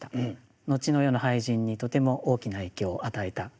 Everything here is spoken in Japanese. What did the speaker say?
後の世の俳人にとても大きな影響を与えた方です。